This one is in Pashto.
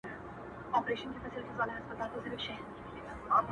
غــمــــونــــه ټــول پــر فريادي را اوري.